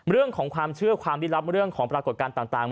เรื่องของความเชื่อความลี้ลับเรื่องของปรากฏการณ์ต่าง